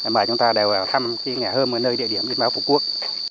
mời chúng ta đều vào thăm cái nhà hơm ở nơi địa điểm in báo phục quốc